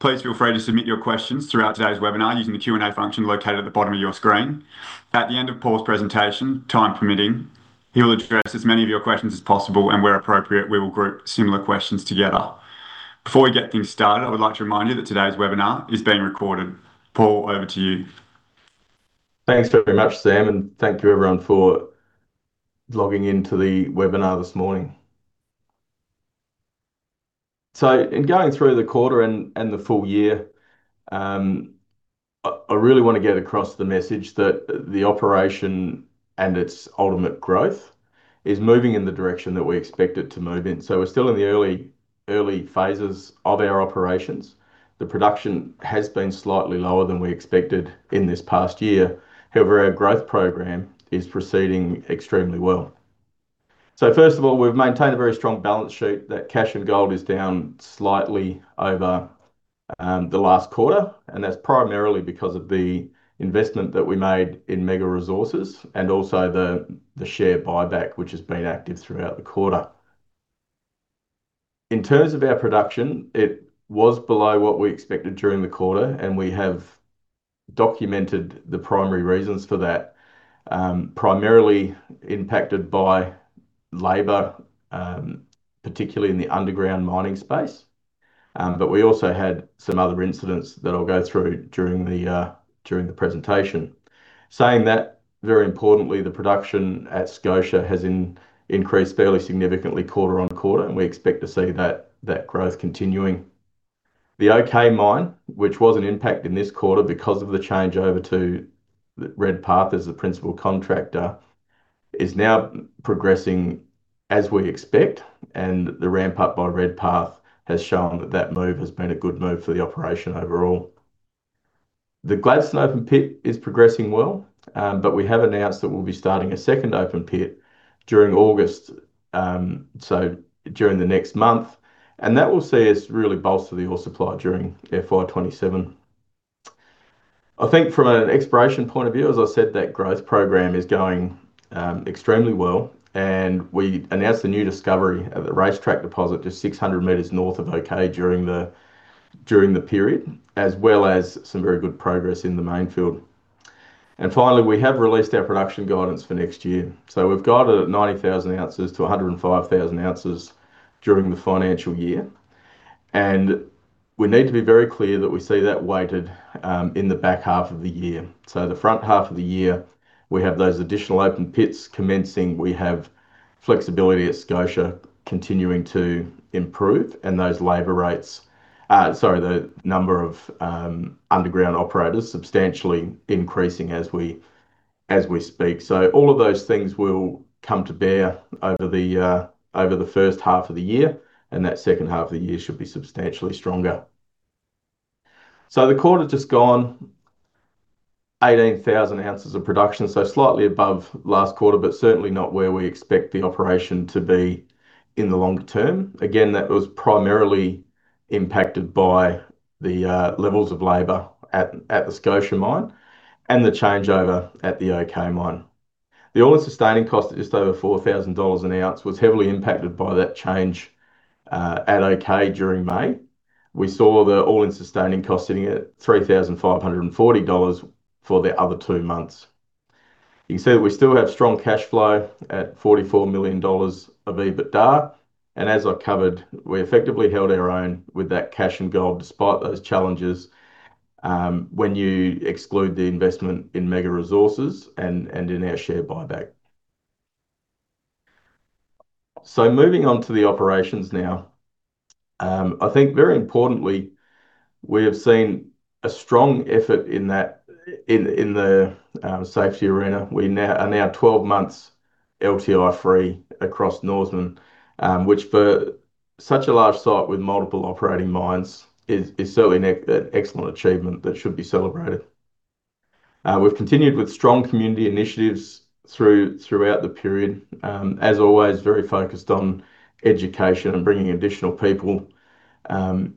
Please feel free to submit your questions throughout today's webinar using the Q&A function located at the bottom of your screen. At the end of Paul's presentation, time permitting, he will address as many of your questions as possible, and where appropriate, we will group similar questions together. Before we get things started, I would like to remind you that today's webinar is being recorded. Paul, over to you. Thanks very much, Sam, and thank you everyone for logging into the webinar this morning. In going through the quarter and the full year, I really want to get across the message that the operation and its ultimate growth is moving in the direction that we expect it to move in. We're still in the early phases of our operations. The production has been slightly lower than we expected in this past year, however, our growth program is proceeding extremely well. First of all, we've maintained a very strong balance sheet, that cash and gold is down slightly over the last quarter, and that's primarily because of the investment that we made in Mega Resources and also the share buyback which has been active throughout the quarter. In terms of our production, it was below what we expected during the quarter, and we have documented the primary reasons for that. Primarily impacted by labor, particularly in the underground mining space. We also had some other incidents that I'll go through during the presentation. Saying that, very importantly, the production at Scotia has increased fairly significantly quarter-on-quarter, and we expect to see that growth continuing. The OK Mine, which was an impact in this quarter because of the changeover to Redpath as the principal contractor, is now progressing as we expect and the ramp up by Redpath has shown that that move has been a good move for the operation overall. The Gladstone open pit is progressing well, but we have announced that we'll be starting a second open pit during August, so during the next month. That will see us really bolster the ore supply during FY 2027. I think from an exploration point of view, as I said, that growth program is going extremely well and we announced the new discovery of the Racetrack deposit just 600 m north of OK Decline during the period, as well as some very good progress in the Mainfield. Finally, we have released our production guidance for next year. We've got it at 90,000 oz-105,000 oz during the financial year. We need to be very clear that we see that weighted in the back half of the year. The front half of the year, we have those additional open pits commencing. We have flexibility at Scotia continuing to improve and those labor rates, sorry, the number of underground operators substantially increasing as we speak. All of those things will come to bear over the first half of the year, that second half of the year should be substantially stronger. The quarter just gone, 18,000 oz of production. Slightly above last quarter, but certainly not where we expect the operation to be in the longer term. Again, that was primarily impacted by the levels of labor at the Scotia mine and the changeover at the OK Mine. The all-in sustaining cost at just over 4,000 dollars/oz was heavily impacted by that change at OK during May. We saw the all-in sustaining cost sitting at 3,540 dollars/oz for the other two months. You can see that we still have strong cash flow at 44 million dollars of EBITDA. As I covered, we effectively held our own with that cash and gold despite those challenges when you exclude the investment in Mega Resources and in our share buyback. Moving on to the operations now. I think very importantly, we have seen a strong effort in the safety arena. We are now 12 months LTI-free across Norseman, which for such a large site with multiple operating mines is certainly an excellent achievement that should be celebrated. We've continued with strong community initiatives throughout the period. As always, very focused on education and bringing additional people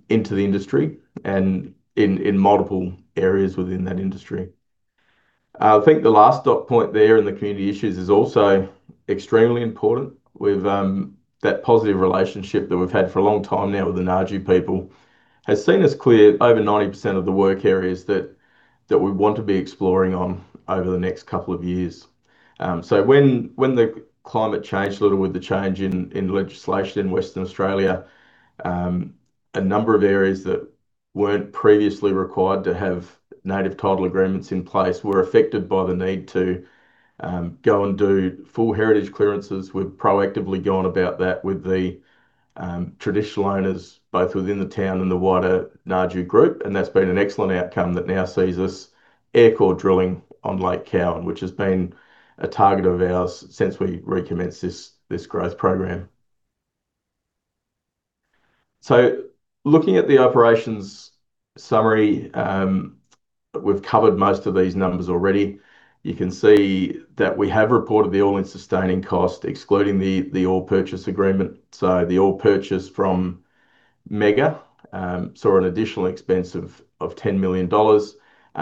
into the industry and in multiple areas within that industry. I think the last dot point there in the community issues is also extremely important. That positive relationship that we've had for a long time now with the Ngadju People has seen us clear over 90% of the work areas that we want to be exploring on over the next couple of years. When the climate changed a little with the change in legislation in Western Australia, a number of areas that weren't previously required to have native title agreements in place were affected by the need to go and do full heritage clearances. We've proactively gone about that with the traditional owners, both within the town and the wider Ngadju group, and that's been an excellent outcome that now sees us aircore drilling on Lake Cowan, which has been a target of ours since we recommenced this growth program. Looking at the operations summary, we've covered most of these numbers already. You can see that we have reported the all-in sustaining cost, excluding the ore purchase agreement. The ore purchase from Mega saw an additional expense of 10 million dollars.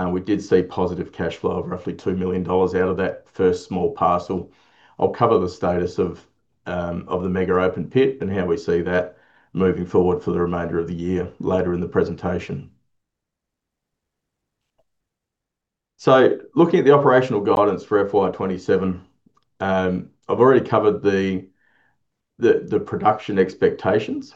We did see positive cash flow of roughly 2 million dollars out of that first small parcel. I'll cover the status of the Mega open pit and how we see that moving forward for the remainder of the year later in the presentation. Looking at the operational guidance for FY 2027, I've already covered the production expectations.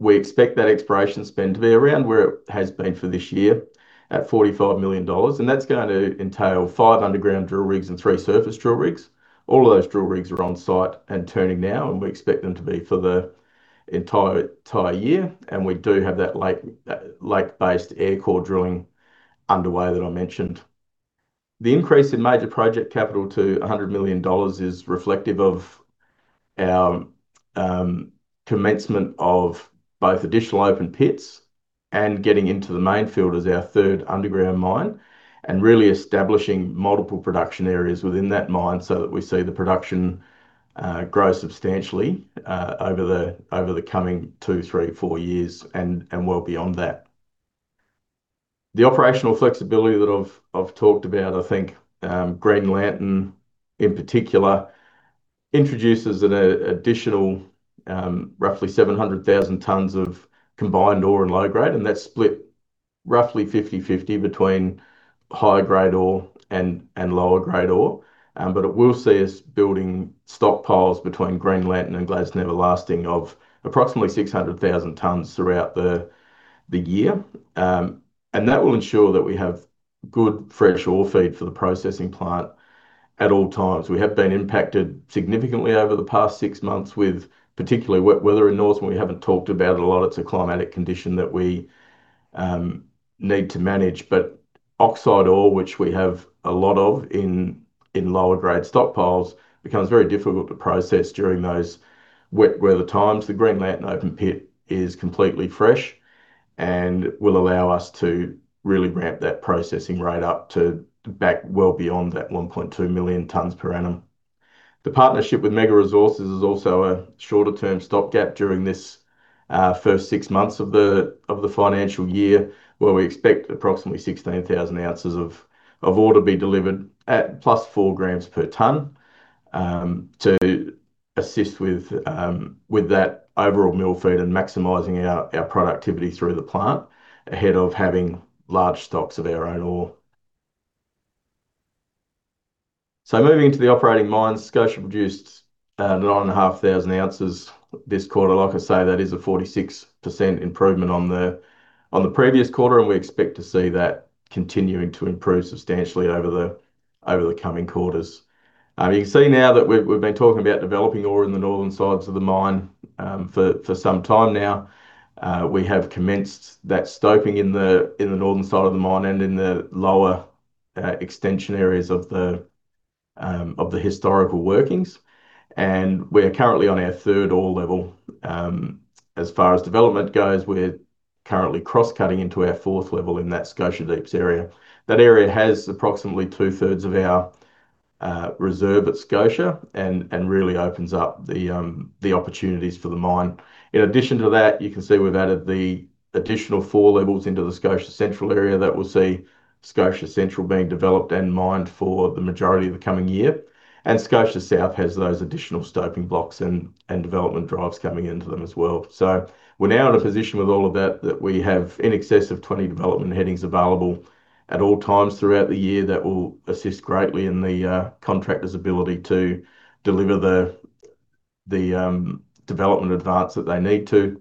We expect that exploration spend to be around where it has been for this year at 45 million dollars, and that's going to entail five underground drill rigs and three surface drill rigs. All of those drill rigs are on site and turning now, and we expect them to be for the entire year. We do have that lake-based aircore drilling underway that I mentioned. The increase in major project capital to 100 million dollars is reflective of our commencement of both additional open pits and getting into the Mainfield as our third underground mine, really establishing multiple production areas within that mine so that we see the production grow substantially over the coming two, three, four years and well beyond that. The operational flexibility that I've talked about, I think Green Lantern in particular introduces an additional roughly 700,000 tons of combined ore and low grade, that's split roughly 50/50 between high-grade ore and lower-grade ore. It will see us building stockpiles between Green Lantern and Gladstone-Everlasting of approximately 600,000 tons throughout the year. That will ensure that we have good fresh ore feed for the processing plant at all times. We have been impacted significantly over the past six months with particularly wet weather in Norseman, we haven't talked about it a lot. It's a climatic condition that we need to manage, but oxide ore, which we have a lot of in lower-grade stockpiles, becomes very difficult to process during those wet weather times. The Green Lantern open pit is completely fresh and will allow us to really ramp that processing rate up to back well beyond that 1.2 million tons per annum. The partnership with Mega Resources is also a shorter-term stopgap during this first six months of the financial year, where we expect approximately 16,000 oz of ore to be delivered at plus 4 g/ton to assist with that overall mill feed and maximizing our productivity through the plant ahead of having large stocks of our own ore. Moving into the operating mines, Scotia produced 9,500 oz this quarter. Like I say, that is a 46% improvement on the previous quarter, and we expect to see that continuing to improve substantially over the coming quarters. You can see now that we've been talking about developing ore in the northern sides of the mine for some time now. We have commenced that stoping in the northern side of the mine and in the lower extension areas of the historical workings. We are currently on our third ore level. As far as development goes, we're currently cross-cutting into our fourth level in that Scotia Deep area. That area has approximately 2/3 of our reserve at Scotia and really opens up the opportunities for the mine. In addition to that, you can see we've added the additional four levels into the Scotia Central area that will see Scotia Central being developed and mined for the majority of the coming year. Scotia South has those additional stoping blocks and development drives coming into them as well. We're now in a position with all of that, we have in excess of 20 development headings available at all times throughout the year that will assist greatly in the contractor's ability to deliver the development advance that they need to.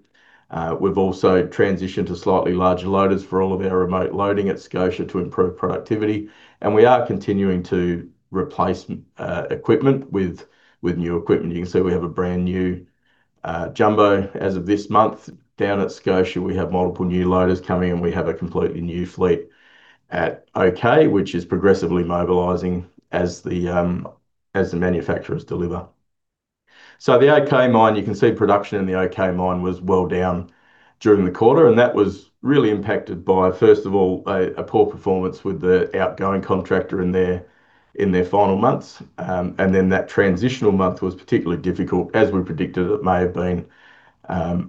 We've also transitioned to slightly larger loaders for all of our remote loading at Scotia to improve productivity, and we are continuing to replace equipment with new equipment. You can see we have a brand new jumbo as of this month down at Scotia. We have multiple new loaders coming in. We have a completely new fleet at OK, which is progressively mobilizing as the manufacturers deliver. The OK Mine, you can see production in the OK Mine was well down during the quarter, and that was really impacted by, first of all, a poor performance with the outgoing contractor in their final months. Then that transitional month was particularly difficult, as we predicted it may have been,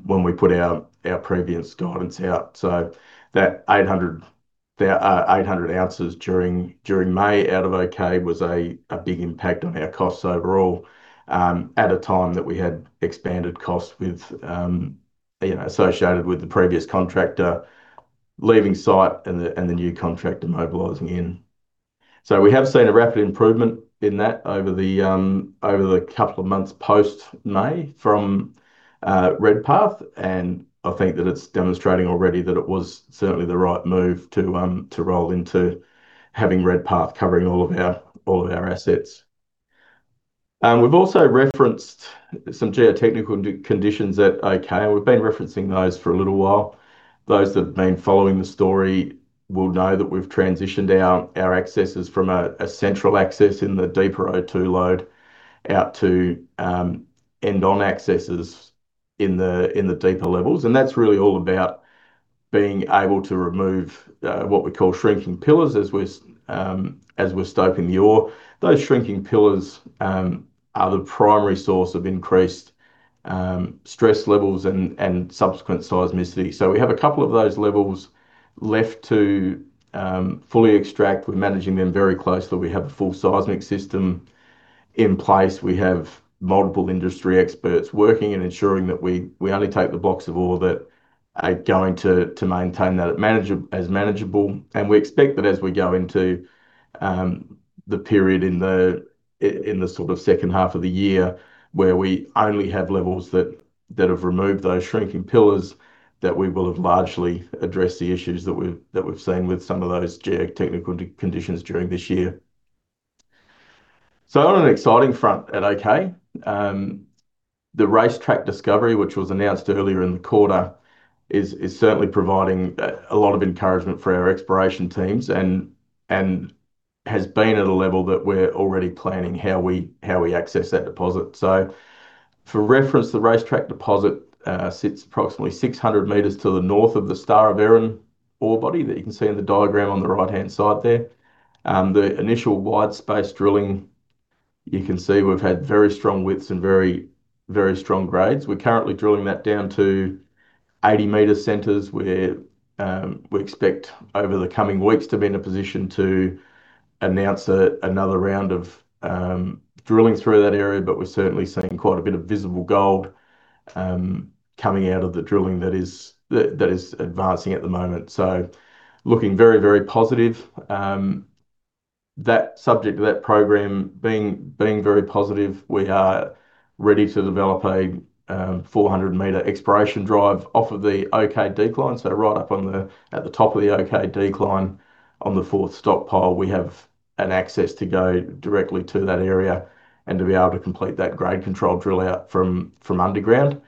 when we put our previous guidance out. That 800 oz during May out of OK was a big impact on our costs overall at a time that we had expanded costs associated with the previous contractor leaving site and the new contractor mobilizing in. We have seen a rapid improvement in that over the couple of months post-May from Redpath, and I think that it's demonstrating already that it was certainly the right move to roll into having Redpath covering all of our assets. We've also referenced some geotechnical conditions at OK, and we've been referencing those for a little while. Those that have been following the story will know that we've transitioned our accesses from a central access in the deeper O2 lode out to end-on accesses in the deeper levels, and that's really all about being able to remove what we call shrinking pillars as we're stoping the ore. Those shrinking pillars are the primary source of increased stress levels and subsequent seismicity. We have a couple of those levels left to fully extract. We're managing them very closely. We have a full seismic system in place. We have multiple industry experts working and ensuring that we only take the blocks of ore that are going to maintain that as manageable. We expect that as we go into the period in the second half of the year where we only have levels that have removed those shrinking pillars, that we will have largely addressed the issues that we've seen with some of those geotechnical conditions during this year. On an exciting front at OK, the Racetrack discovery, which was announced earlier in the quarter, is certainly providing a lot of encouragement for our exploration teams and has been at a level that we're already planning how we access that deposit. For reference, the Racetrack deposit sits approximately 600 m to the north of the Star of Erin ore body that you can see in the diagram on the right-hand side there. The initial wide-space drilling, you can see we've had very strong widths and very strong grades. We're currently drilling that down to 80-meter centers, where we expect over the coming weeks to be in a position to announce another round of drilling through that area. We're certainly seeing quite a bit of visible gold coming out of the drilling that is advancing at the moment. Looking very, very positive. That subject to that program being very positive, we are ready to develop a 400-meter exploration drive off of the OK Decline. Right up at the top of the OK Decline on the fourth stockpile, we have an access to go directly to that area and to be able to complete that grade control drill out from underground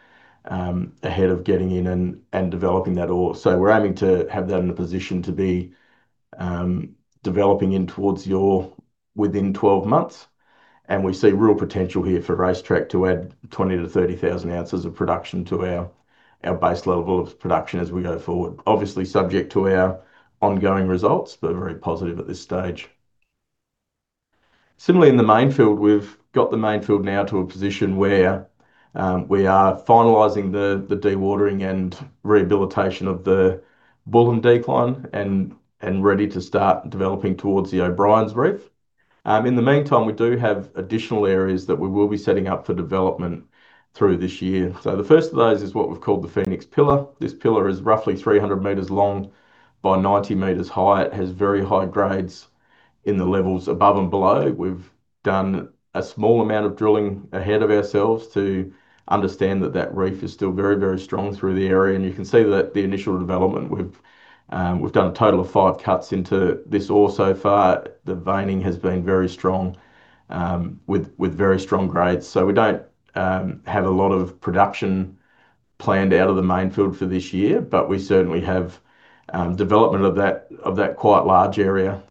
ahead of getting in and developing that ore. We're aiming to have that in a position to be developing in towards your, within 12 months. We see real potential here for Racetrack to add 20,000oz-30,000 oz of production to our base level of production as we go forward. Obviously, subject to our ongoing results, but very positive at this stage. Similarly, in the Mainfield, we've got the Mainfield now to a position where we are finalizing the dewatering and rehabilitation of the Bullen Decline and ready to start developing towards the O'Brien's Reef. In the meantime, we do have additional areas that we will be setting up for development through this year. The first of those is what we've called the Phoenix Pillar. This pillar is roughly 300 m long by 90 m high. It has very high grades in the levels above and below. We've done a small amount of drilling ahead of ourselves to understand that that reef is still very, very strong through the area. You can see that the initial development, we've done a total of five cuts into this ore so far. The veining has been very strong with very strong grades. We don't have a lot of production planned out of the Mainfield for this year, but we certainly have development of that quite large area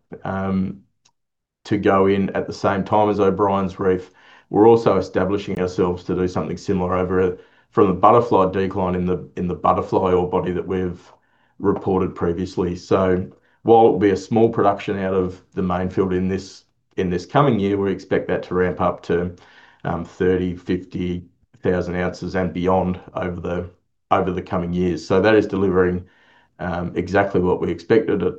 to go in at the same time as O'Brien's Reef. We're also establishing ourselves to do something similar over from the Butterfly Decline in the Butterfly ore body that we've reported previously. While it'll be a small production out of the Mainfield in this coming year, we expect that to ramp up to 30,000 oz, 50,000 oz and beyond over the coming years. That is delivering exactly what we expected it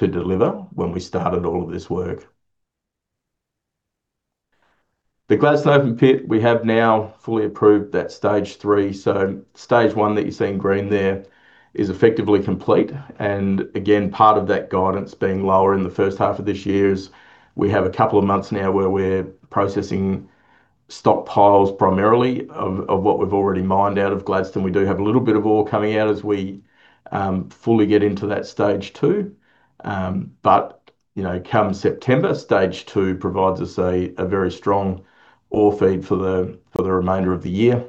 to deliver when we started all of this work. The Gladstone open pit, we have now fully approved that Stage 3. Stage 1 that you see in green there is effectively complete. Again, part of that guidance being lower in the first half of this year is we have a couple of months now where we're processing stockpiles primarily of what we've already mined out of Gladstone. We do have a little bit of ore coming out as we fully get into that Stage 2. Come September, Stage 2 provides us a very strong ore feed for the remainder of the year.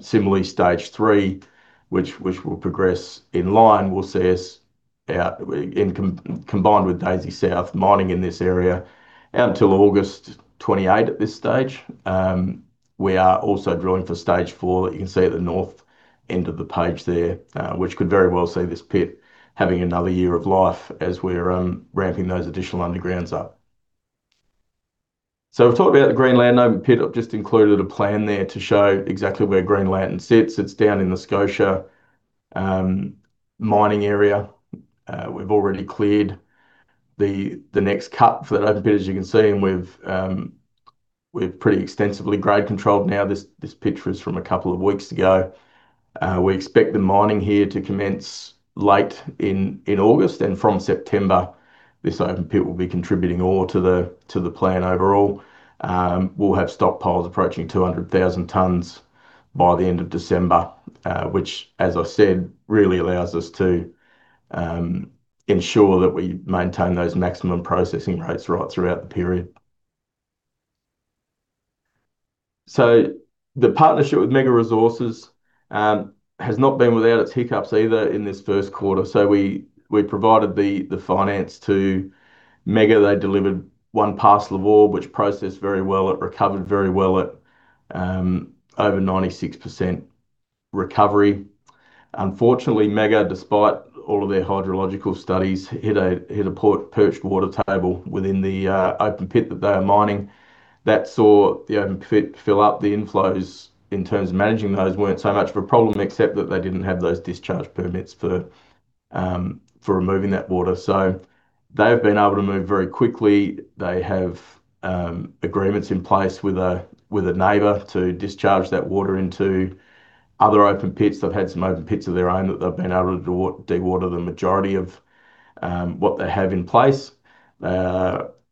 Similarly, Stage 3, which will progress in line, will see us out, combined with Daisy South, mining in this area out until August 2028 at this stage. We are also drilling for Stage 4 that you can see at the north end of the page there which could very well see this pit having another year of life as we're ramping those additional undergrounds up. We've talked about the Green Lantern open pit. I've just included a plan there to show exactly where Green Lantern sits. It's down in the Scotia mining area. We've already cleared the next cut for that open pit, as you can see, and we've pretty extensively grade-controlled now. This picture is from a couple of weeks ago. We expect the mining here to commence late in August. From September, this open pit will be contributing ore to the plan overall. We'll have stockpiles approaching 200,000 tons by the end of December which, as I said, really allows us to ensure that we maintain those maximum processing rates right throughout the period. The partnership with Mega Resources has not been without its hiccups either in this first quarter. We provided the finance to Mega. They delivered one parcel of ore, which processed very well. It recovered very well at over 96% recovery. Unfortunately, Mega, despite all of their hydrological studies, hit a perched water table within the open pit that they were mining. That saw the open pit fill up. The inflows in terms of managing those weren't so much of a problem, except that they didn't have those discharge permits for removing that water. They've been able to move very quickly. They have agreements in place with a neighbor to discharge that water into other open pits. They've had some open pits of their own that they've been able to dewater the majority of what they have in place.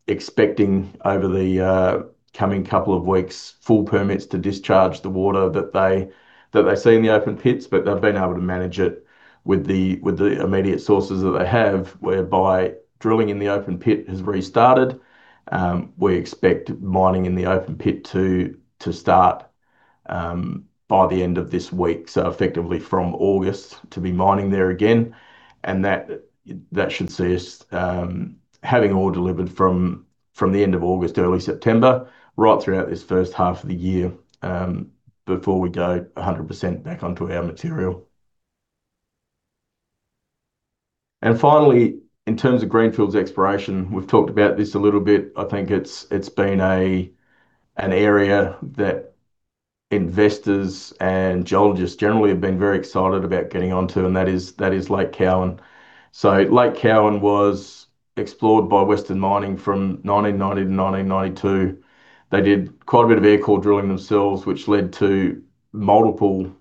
Expecting over the coming couple of weeks, full permits to discharge the water that they see in the open pits. But they've been able to manage it with the immediate sources that they have, whereby drilling in the open pit has restarted. We expect mining in the open pit to start by the end of this week, effectively from August to be mining there again. That should see us having ore delivered from the end of August, early September, right throughout this first half of the year, before we go 100% back onto our material. Finally, in terms of greenfields exploration, we've talked about this a little bit. I think it's been an area that investors and geologists generally have been very excited about getting onto, and that is Lake Cowan. Lake Cowan was explored by Western Mining from 1990 to 1992. They did quite a bit of aircore drilling themselves, which led to multiple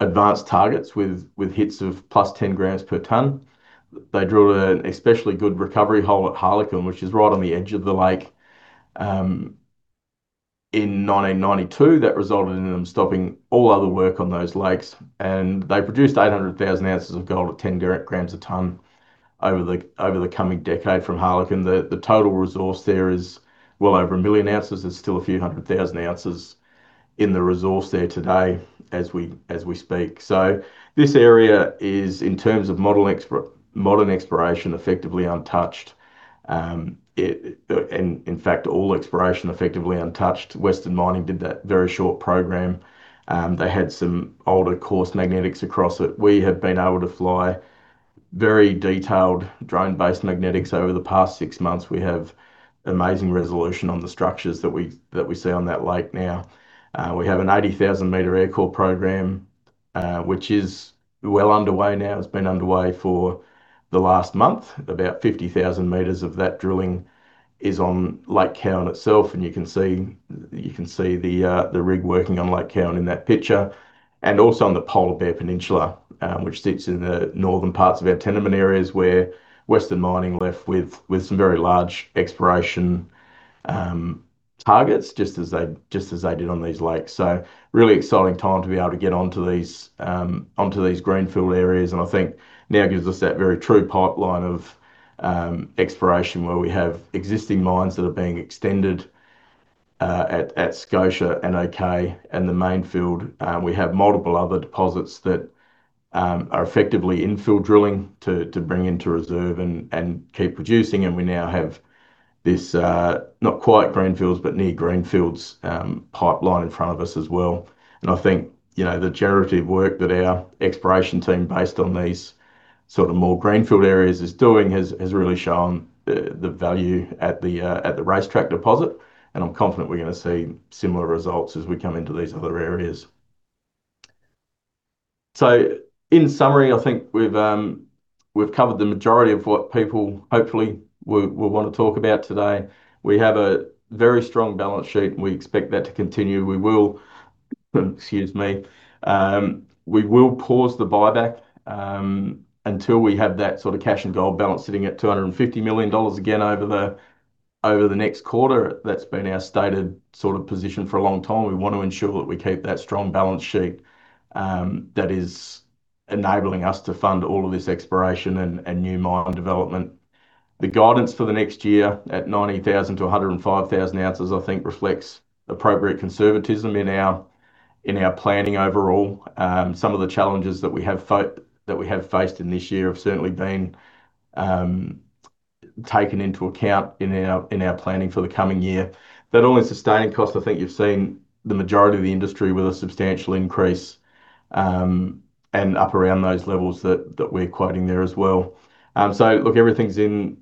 advanced targets with hits of +10 g/ton. They drilled an especially good recovery hole at Harlequin, which is right on the edge of the lake. In 1992, that resulted in them stoping all other work on those lakes, and they produced 800,000 oz of gold at 10 g/ton over the coming decade from Harlequin. The total resource there is well over 1 million ounces. There's still a few hundred thousand ounces in the resource there today as we speak. This area is, in terms of modern exploration, effectively untouched. In fact, all exploration effectively untouched. Western Mining did that very short program. They had some older coarse magnetics across it. We have been able to fly very detailed drone-based magnetics over the past six months. We have amazing resolution on the structures that we see on that lake now. We have an 80,000-meter aircore program, which is well underway now. It's been underway for the last month. About 50,000 m of that drilling is on Lake Cowan itself, and you can see the rig working on Lake Cowan in that picture. Also on the Polar Bear Peninsula, which sits in the northern parts of our tenement areas, where Western Mining left with some very large exploration targets, just as they did on these lakes. Really exciting time to be able to get onto these greenfield areas. I think now gives us that very true pipeline of exploration where we have existing mines that are being extended at Scotia and OK and the Mainfield. We have multiple other deposits that are effectively infill drilling to bring into reserve and keep producing. We now have this, not quite greenfields, but near greenfields pipeline in front of us as well. I think the generative work that our exploration team, based on these more greenfield areas, is doing has really shown the value at the Racetrack deposit. I'm confident we're going to see similar results as we come into these other areas. In summary, I think we've covered the majority of what people hopefully will want to talk about today. We have a very strong balance sheet, and we expect that to continue. We will pause the buyback until we have that sort of cash and gold balance sitting at 250 million dollars again over the next quarter. That's been our stated position for a long time. We want to ensure that we keep that strong balance sheet that is enabling us to fund all of this exploration and new mine development. The guidance for the next year at 90,000 oz-105,000 oz, I think, reflects appropriate conservatism in our planning overall. Some of the challenges that we have faced in this year have certainly been taken into account in our planning for the coming year. All in sustaining costs, I think you've seen the majority of the industry with a substantial increase and up around those levels that we're quoting there as well. Everything's in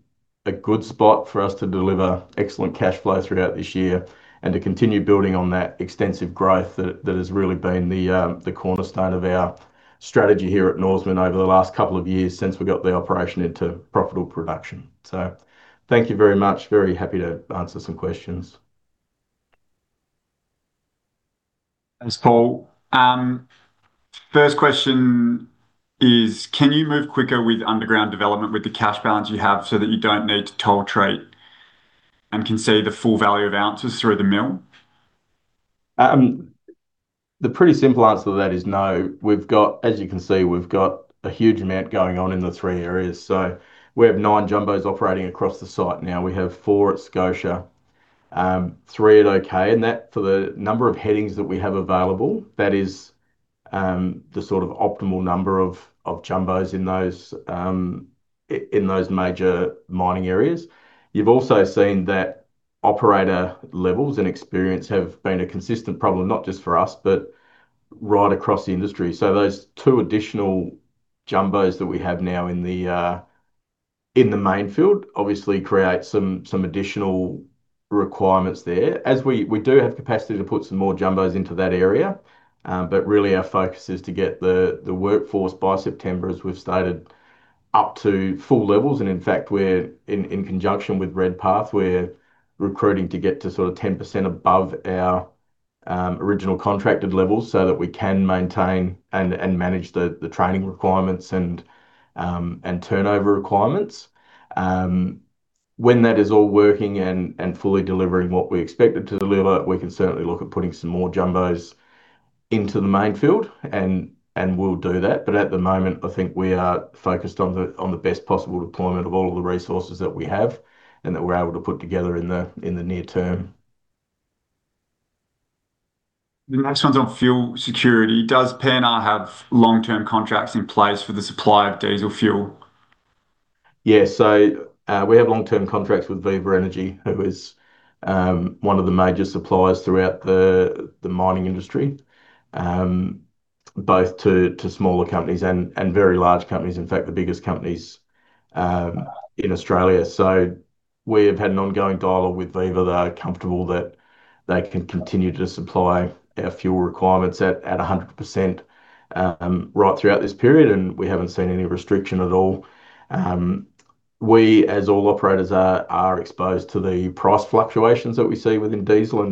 a good spot for us to deliver excellent cash flow throughout this year and to continue building on that extensive growth that has really been the cornerstone of our strategy here at Norseman over the last couple of years since we got the operation into profitable production. Thank you very much. Very happy to answer some questions. Thanks, Paul. First question is, can you move quicker with underground development with the cash balance you have so that you don't need to toll treat and can see the full value of ounces through the mill? The pretty simple answer to that is no. As you can see, we've got a huge amount going on in the three areas. We have nine jumbos operating across the site now. We have four at Scotia, three at OK. That for the number of headings that we have available, that is the sort of optimal number of jumbos in those major mining areas. You've also seen that operator levels and experience have been a consistent problem, not just for us, but right across the industry. Those two additional jumbos that we have now in the Mainfield obviously create some additional requirements there. As we do have capacity to put some more jumbos into that area. Really our focus is to get the workforce by September, as we've stated, up to full levels. In fact, in conjunction with Redpath, we're recruiting to get to sort of 10% above our original contracted levels so that we can maintain and manage the training requirements and turnover requirements. When that is all working and fully delivering what we expect it to deliver, we can certainly look at putting some more jumbos into the Mainfield and we'll do that. At the moment, I think we are focused on the best possible deployment of all of the resources that we have and that we're able to put together in the near term. The next one's on fuel security. Does PNR have long-term contracts in place for the supply of diesel fuel? Yeah. We have long-term contracts with Viva Energy, who is one of the major suppliers throughout the mining industry, both to smaller companies and very large companies. In fact, the biggest companies in Australia. We have had an ongoing dialogue with Viva. They are comfortable that they can continue to supply our fuel requirements at 100% right throughout this period, and we haven't seen any restriction at all. We, as all operators are exposed to the price fluctuations that we see within diesel.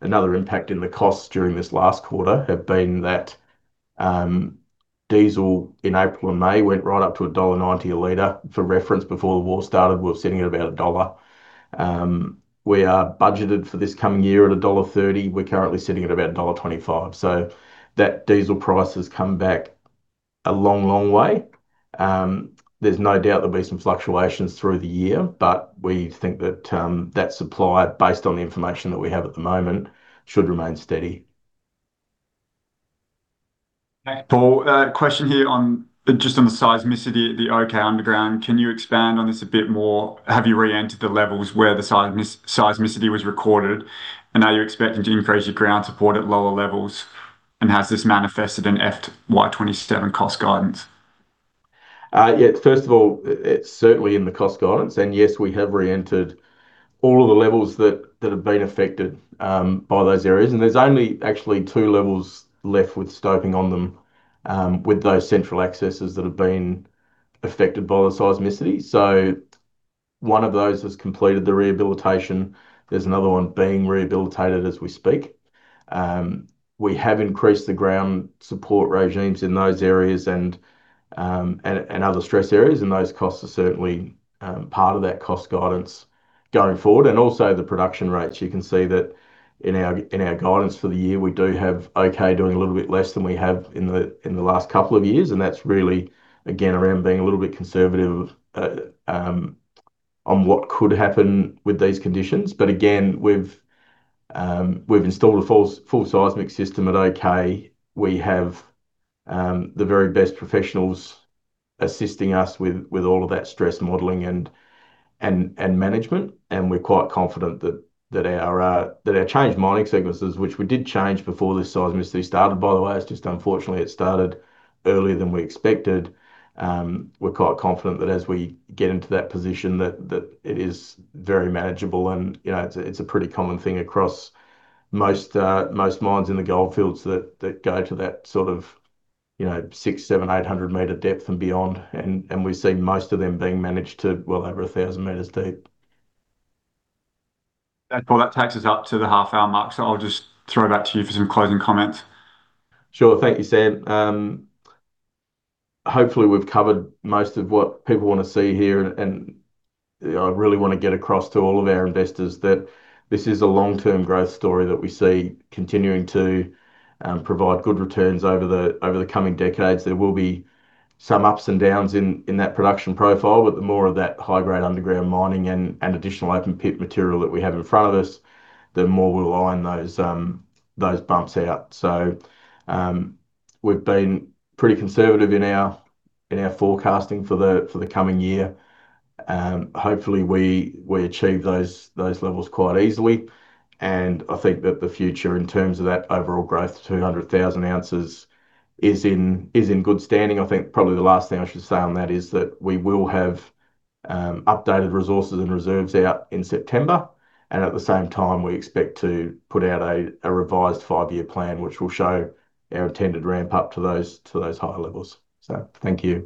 Another impact in the costs during this last quarter have been that diesel in April and May went right up to dollar 1.90/L. For reference, before the war started, we were sitting at about AUD 1.00/L. We are budgeted for this coming year at dollar 1.30/L. We're currently sitting at about dollar 1.25/L. That diesel price has come back a long way. There's no doubt there'll be some fluctuations through the year, but we think that that supply, based on the information that we have at the moment, should remain steady. Thanks, Paul. A question here just on the seismicity at the OK underground. Can you expand on this a bit more? Have you reentered the levels where the seismicity was recorded? Are you expecting to increase your ground support at lower levels? Has this manifested in FY 2027 cost guidance? First of all, it's certainly in the cost guidance. Yes, we have reentered all of the levels that have been affected by those areas. There's only actually two levels left with stoping on them, with those central accesses that have been affected by the seismicity. One of those has completed the rehabilitation. There's another one being rehabilitated as we speak. We have increased the ground support regimes in those areas and other stress areas. Those costs are certainly part of that cost guidance going forward and also the production rates. You can see that in our guidance for the year, we do have OK doing a little bit less than we have in the last couple of years. That's really, again, around being a little bit conservative on what could happen with these conditions. Again, we've installed a full seismic system at OK. We have the very best professionals assisting us with all of that stress modeling and management. We're quite confident that our changed mining sequences, which we did change before this seismicity started, by the way. It's just, unfortunately, it started earlier than we expected. We're quite confident that as we get into that position, that it is very manageable. It's a pretty common thing across most mines in the Goldfields that go to that sort of 600-meter, 700-meter, 800-meter depth and beyond. We see most of them being managed to well over 1,000 meters deep. Thanks, Paul. That takes us up to the half-hour mark. I'll just throw it back to you for some closing comments. Sure. Thank you, Sam. Hopefully, we've covered most of what people want to see here. I really want to get across to all of our investors that this is a long-term growth story that we see continuing to provide good returns over the coming decades. There will be some ups and downs in that production profile. The more of that high-grade underground mining and additional open-pit material that we have in front of us, the more we'll iron those bumps out. We've been pretty conservative in our forecasting for the coming year. Hopefully, we achieve those levels quite easily. I think that the future, in terms of that overall growth to 200,000 oz, is in good standing. I think probably the last thing I should say on that is that we will have updated resources and reserves out in September. At the same time, we expect to put out a revised five-year plan, which will show our intended ramp-up to those higher levels. Thank you.